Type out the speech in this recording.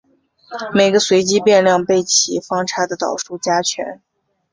每个随机变量被其方差的倒数加权。